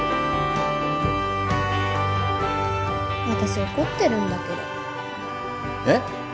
私怒ってるんだけどえっ？